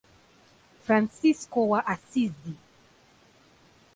Fransisko wa Asizi.